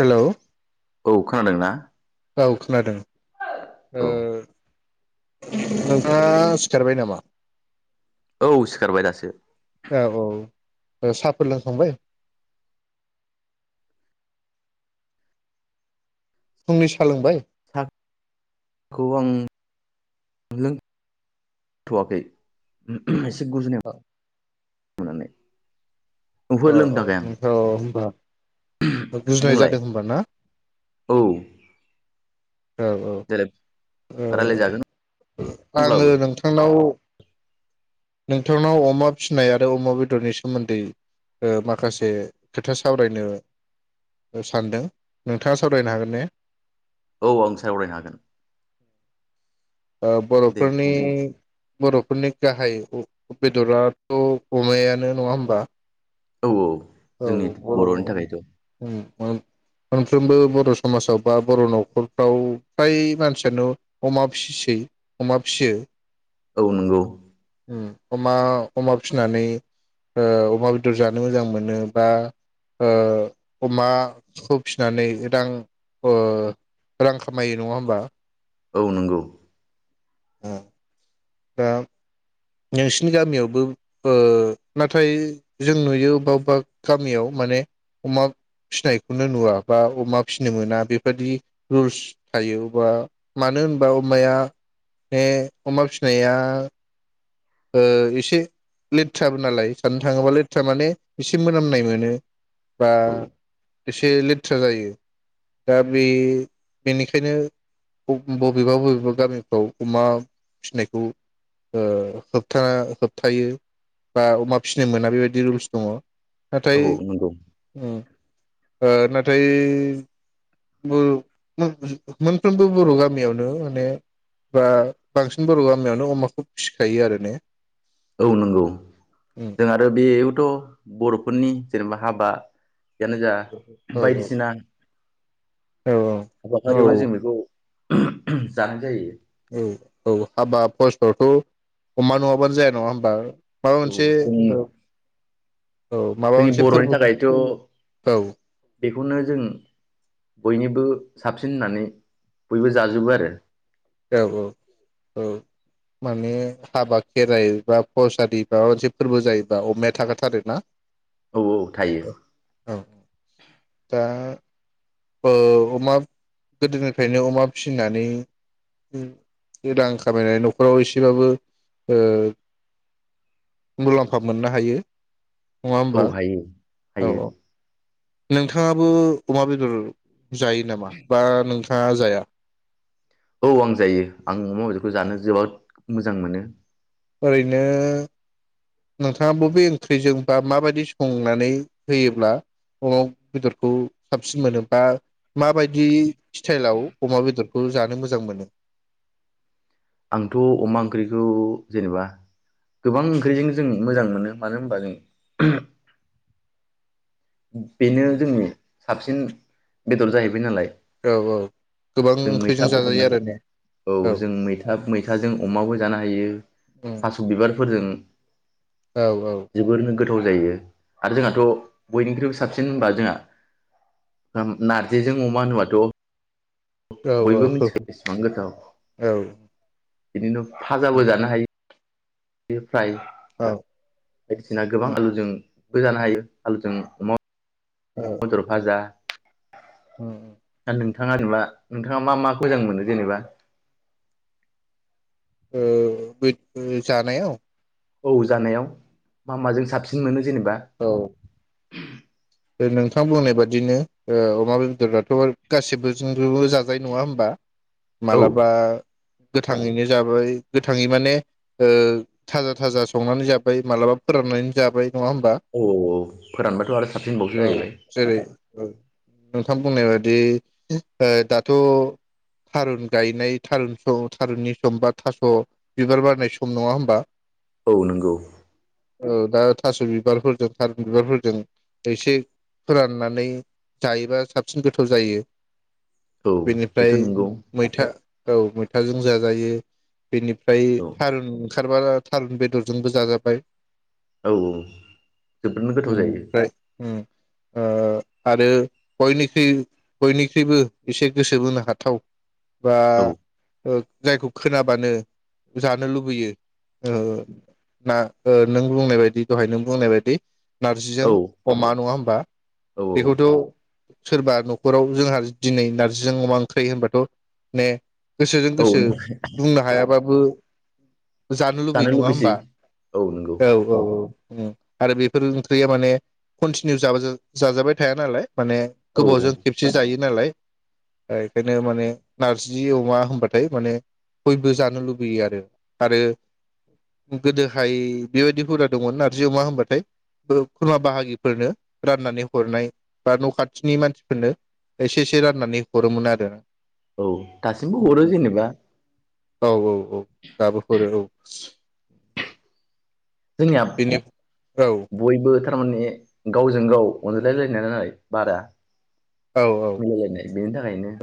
Hello औ खोनादोंना? औ खोनादों। औ ओ नोंथाङा सिखारबाय नामा? औ सिखारबाय दासो। ओ साफोर लोंखांबाय? फुंनि सा लोंबाय? सा खौ आं लों थ'वाखै [unintelligible] गुजुनाय औ मोननानै ओहो ओ ओ लोंथ'वाखै आं औ होनबा गुजुनाय बुंलाय जादों होनबा ना? औ औ औ देलाय ओ रायलायजागोन आङो अब्लाबो नोंथांनाव नोंथांनाव अमा फिनाय आरो अमा बेदरनि सोमोन्दै ओ माखासे खोथा सावरायनो सानदों नोंथाङा सावरायनो हागोन ने? औ आं सावरायनो हागोन। ओ दे बरफोरनि बुंलाय बरफोरनि गाहाय बेदराथ अमायानो नङा होमबा औ औ जोंनि बरनि थाखायथ मोन मोनफ्रोमबो बर समाजाव बा बर नखरफ्राव फ्राय मानसियानो अमा फिसै अमा फियो। औ नंगौ। अमा अमा फिसिनानै ओ अमा बेदर जानो मोजां मोनो। बा ओ अमाखौ फिनानै रां ओ रां खामायो नङा होमबा औ नंगौ [unintelligible] दा नोंसिनि गामियावबो ओ नाथाय जों नुयो अबेबा अबेबा गामियाव माने अमा फिनायखौनो नुवा बा अमा फिनो मोना बेबादि रुल्स थायो अबा मानो होनबा अमाया बे अमा फिनाया ओ एसे लेथ्राबो नालाय साननो थाङोबा लेथ्रा माने एसे मोनामनाय मोनो बा औ एसे लेथ्रा जायो दा बे बेनिखायनो बबेबा बबेबा गामिफ्राव अमा फिनायखौ ओ होबथाना होबथायो बा अमा फिनो मोना बेबायदि रुल्स दङ। नाथाय औ नंगौ उम ओ ना फ्राय [inaudible] मोनफ्रोमबो बर गामियावनो माने बा बांसिन बर गामियावनो अमाखौ फिसिखायो आरो ने औ नंगौ उम जों आरो बेयावथ बरफोरनि जेनबा हाबा यानो जा औ औ बायदिसिना औ हाबाफारियावनो जों बेखौ जानाय जायो। औ औ हाबा बसावथ अमा नङाबानो जाया नङा होमबा माबा औ मोनसे जों औ माबा जोंनि मोनसे बर'नि फोरबो थाखायथ' औ बेखौनो जों बयनिबो साबसिन होननानै बयबो जाजोबो आरो औ औ औ माने हाबा खेराइ बा बस आरि माबा मोनसे फोरबो जायोबा अमाया थाखागाथारो ना औ औ थायो दा ओ अमा गोदोनिफ्रायनो अमा फिनानै रां खामायनानै नखराव एसेबाबो ओ मुलाम्फा मोननो हायो। नङा औ होमबा हायो औ हायो औ। नोंथाङाबो अमा बेदर जायो नामा बा नोंथाङा जाया औ आं जायो आं अमा बेदरखौ जानो जोबोद मोजां मोनो। ओरैनो नोंथाङा बबे ओंख्रिजों बा माबायदि संनानै होयोब्ला अमा बेदरखौ साबसिन मोनो बा माबायदि स्टाइलाव अमा बेदरखौ जानो मोजां मोनो। आंथ अमा ओंख्रिखौ जेनेबा गोबां ओंख्रिजों जों मोजां मोनो मानो होनबा जों बेनो जोंनि साबसिन बेदर जाहैबाय नालाय। औ औ गोबां जों ओंख्रिजों जाजायो मैथाफोरजों आरो ने औ जों मैथा मैथाजों अमाबो जानो हायो औ थास' बिबार फोरजों औ औ। गोथाव जायो आरो जोंहाथ' बयनिख्रुइबो साबसिन होनबा जोंहा नारजिजों अमा होनोबाथ' औ बयबो मिथिखायो एसेबां गोथाव। बिदिनो फाजाबो जानो हायो। [unintelligible] फ्राय औ औ बायदिसिना औ गोबां आलुजों बो जानो हायो हालुजों अमा ओ मा दर फाजा ओ दा नोंथाङा जेनेबा नोंथाङा मा मा मोजां मोनो जेनेबा ओ बै जानायाव औ जानायाव मा माजों साबसिन मोनो? जेनेबा औ नोंथां बुंनाय बादिनो ओ अमा बेदरआथ‌' गासिबोजोंबो जाजायो नङा होमबा। औ मालाबा गोथाङैनो जाबाय गोथाङै माने ओ थाजा थाजा संनानै जाबाय मालाबा फोराननानै जाबाय। नङा होमबा औ औ औ फोरानबाथ' आरो सा औ जेरै औ। नोंथां बुंनाय बादि ओ दाथ' थारुन गायनाय थारुन सम थारुननि सम बा थास' बिबार बारनाय सम नङा होमबा? औ नंगौ। औ दा थास' बिबारफोरजों थारुन बिबारफोरजों एसे फोराननानै जायोबा साबसिन गोथाव जायो। औ बेथ' बेनिफ्राय नंगौ मैथा औ मैथ थाजों जाजायो। बेनिफ्राय औ थारुन ओंखारबा थारुन बेदरजोंबो जाजाबाय। औ औ जोबोरनो गोथाव जायो। ओमफ्राय उम ओ आरो बयनिख्रुय बयनिख्रुइबो एसे गोसो बोनो हाथाव बा औ ओ जायखौ खोनाबानो जानो लुबैयो ओ ना नों बुंनाय बायदि दहाय नों बुंनाय बायदि नारजिजों औ नङा होमबा। औ बेखौथ सोरबा नखराव जोंहा दिनै नारजिजों अमा ओंख्रै होनबाथ ने गोसोजों गोसो औ बुंनो हायाबा बो जानो लुबैयो नङा होमबा? औ औ औ। ओम आरो बेफोर ओंख्रैया माने कनटिनिउ जाबा जा जाबाय थाया नालाय। माने औ औ गोबावजों खेबसे जायो नालाय ओ एखोनो माने नारजि अमा होनबाथाय माने बयबो जानो लुबैयो आरो आरो गोदोहाय बेबायदि हुदा दङमोन नारजि अमा होनबाथाय खुरमा बाहागि फोरनो राननानै हरनाय बा न खाथिनि मानसिफोरनो एसे एसे राननानै हरोमोन आरो। औ दासिमबो हरो जेनेबा। औ औ औ दाबो हरो औ। जोंनिया बेनि औ औ बयबो थारमाने गावजों गाव अनज्लायलायनाय नालाय बादा मिलायलायनाय बेनि थाखायनो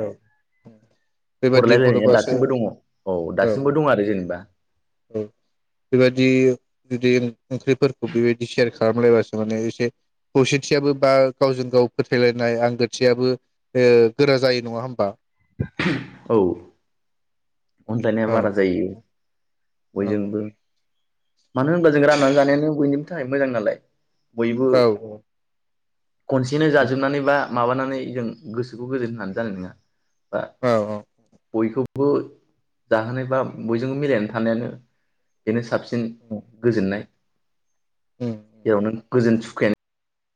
[inaudible] बेबादि हरलायलायनाया हरोबासो दासिमबो दङ औ दासिमबो औ दं आरो जेनेबा औ बेबादि जुदि ओंख्रिफोरखौ बेबायदि सेयार खालामलायबासो माने एसे खौसेथियाबो बा गावजों गाव फोथायलायनाय आंगो थियाबो ओ गोरा जायो नङा होमबा? औ। अनज्लायनाया औ बारा जायो। औ बयजोंबो। मानो होनब्ला जों राननानै जानायानो बयनिबो थाखाय मोजां नालाय। बयबो औ खनसेनो जाजोबनानै बा माबानानै जों गोसोखौ गोजोन होनानै जानाय नोङा बा औ औ। बो जाहोनाय बा बयजोंबो मिलायनानै थानायानो बेनो साबसि न उम गोजोननाय। उम बेयावनो गोजोन सु [unintelligible]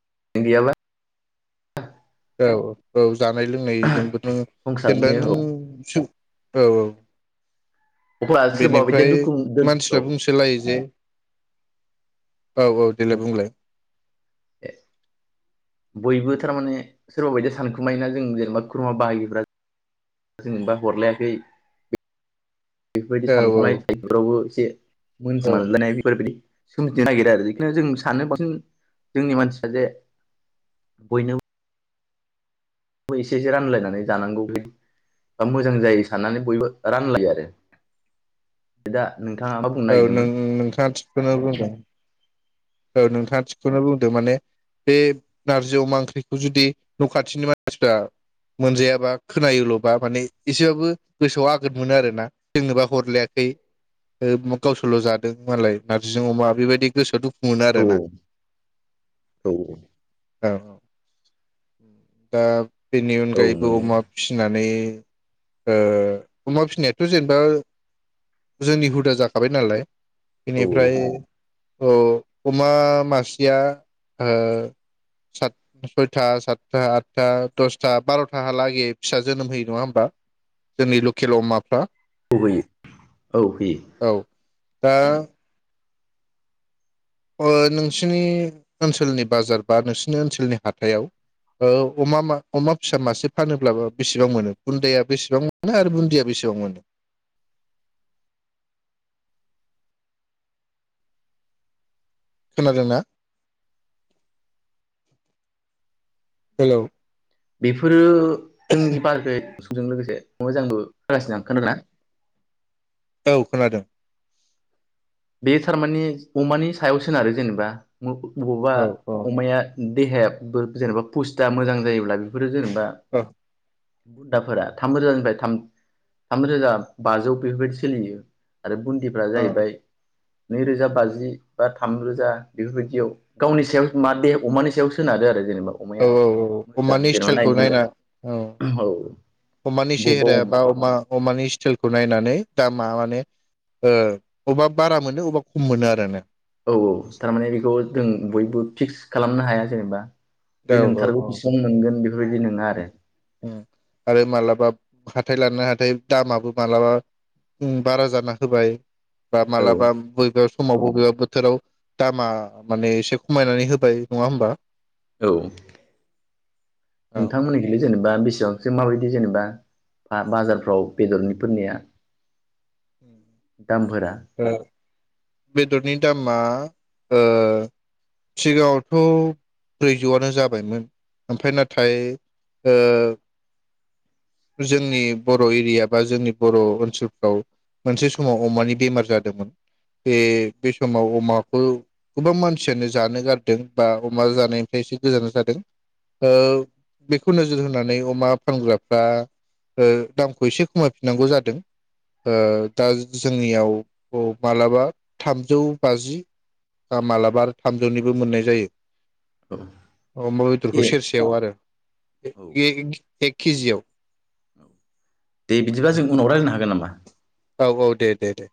[unintelligible] औ औ जानाय लोंनायजोंबोनो जेनबा संसारानो औ नों औ औ। अब्ला सोरबा बायदिया बेनिफ्राय दुखु दोन औ मानसिफोरा बुंसोलायो जे औ औ देलाय बुंलाय ए, बयबो थारमाने सोरबा बायदि सानखुमायोना जों जेनेबा खुरुमा बाहागिफोरा जोंनोबा हरलायाखै बेफोरबादि औ औ साननाय थाइयोफोरावबो एसे [unintelligible] औ [unintelligible] सोमजिनो नागिरो आरो इखनो जों सानो बांसिन जोंनि मानसिया जे बयनोबो एसे एसे रानलायनानै जानांगौ बे बा मोजां जायो साननानै बयबो रानलायो आरो दा नोंथाङा मा बुंनो औ नों नागिरदोंमोन नोंथाङा थिगखौनो बुंदों। औ नोंथाङा थिखौनो बुंदों ।माने बे नारजि अमा ओंख्रिखौ जुदि न खाथिनि मानसिफ्रा मोनजायाबा खोनायोल'बा माने एसेबाबो गोसोआव आगोद मोनो आरोना दोंनोबा हरलायाखै ओ गावसोरल' मोनो आरोना औ औ औ औ। औ औ दा बेनि औ अनगायैबो मोनो अमा फिसिनानै ओ अमा फिसिनायाथ' जेनेबा जोंनि हुदा जाखाबाय नालाय औ बेनिफ्राय औ। अमा मासेया ओ सत सयथा सातथा आदथा दसथा बार‌थाहालागै फिसा जोनोम होयो नङा होमबा? जोंनि लकेल अमाफ्रा औ होयो औ होयो। औ दा ओ नोंसिनि ओनसोलनि बाजार बा नोंसिनि ओनसोलनि हाथायाव ओ अमा अमा फिसा मासे फानोब्लाबो बेसेबां मोनो? बुन्दाया बेसेबां मोनो आरो बुन्दिया बेसेबां मोनो? खोनादोंना? हेलौ बेफोरो जोंनि बाजै जों लोगोसे मोजांबो [unintelligible] खोनादोंना? औ खोनादों। बे थारमानि अमानि सायाव सोनारो जेनेबा अमाखौ बबावबा औ अमाया देहाया [unintelligible] जेनेबा फुस्ता मोजां जायोब्ला बेफोरो जों दा औ बुन्दाफोरा थाम रोजानिफ्राय थाम थाम रोजा बाजौ बेफोरबायदि सोलियो। आरो बुन्दिफ्रा औ जाहैबाय नै रोजा बाजि बा थाम रोजा बेफोरबादियाव गावनि सायाव मा दे अमानि सायाव सोनारो आरो जेनेबा औ अमाया औ औ मोजां अमानि जेनेबा स्टाइलखौ नायनो मोजां नायना औ औ अमानि बबेबा सेहेराया औ बा अमा अमानि स्टाइलखौ नायनानै दामा माने ओ अबा बारा मोनो अबा खम मोनो आरोन नो औ औ थारमाने बेखौ जों बयबो फिक्स खालामनो हाया जेनेबा बे औ नोंथारगौ औ बेसिबां मोनगोन बेफोरबायदि नङा आरो उम आरो मालाबा हाथाय लाना हाथाय दामाबो मालाबा ओ बारा जाना होबाय बा मालाबा औ बयबो समाव बबेबा बोथोराव दामा माने एसे खमायनानै होबाय नङा होमबा औ नोंथांमोननि खैलाय जेनेबा बेसेबां जों माबायदि जेनेबा आ बाजारफ्राव बेदरनिफोरनिया दामफोरा औ बेदरनि दामा ओ सिगाङावथ ब्रैजौआनो जाबायमोन ओमफ्राय नाथाय ओ जोंनि बर एरिया बा जोंनि बर ओनसोलफ्राव मोनसे समाव अमानि बेमार जादोंमोन बे बे समाव अमाखौ गोबां मानसियानो जानो गारदों बा अमा जानायनिफ्राय एसे गोजान जादों ओ बेखौ नोजोर होनानै अमा फानग्राफ्रा ओ दामखौ एसे खमायफिननांगौ जादों ओ दा जोंनियाव मालाबा थामजौ बाजि मालाबा आरो थामजौनिबो मोननाय औ जायो अमा दे बेदरखौ सेरसेयाव आरो एक एक खिजिआव दे बिदिबा जों उनाव रायलायनो हागोन नामा औ औ दे दे दे